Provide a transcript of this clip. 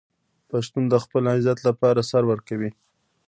پښتون د خپل عزت لپاره سر ورکوي.